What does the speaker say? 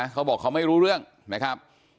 เขาบอกเขาไม่รู้เรื่องนะครับ